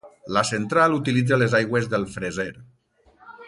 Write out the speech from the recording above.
La central utilitza les aigües del Freser.